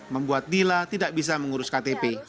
membuat dila tidak bisa mengurus ktp